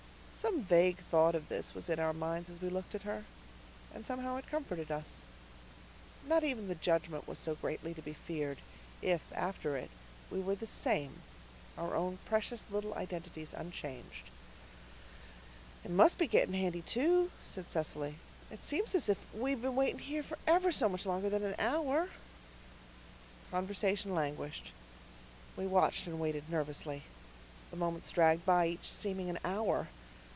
Some vague thought of this was in our minds as we looked at her; and somehow it comforted us. Not even the Judgment was so greatly to be feared if after it we were the SAME, our own precious little identities unchanged. "It must be getting handy two," said Cecily. "It seems as if we'd been waiting here for ever so much longer than an hour." Conversation languished. We watched and waited nervously. The moments dragged by, each seeming an hour.